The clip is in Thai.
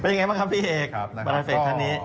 เป็นอย่างไรบ้างครับพี่เอกประธานเฟศท่านนี้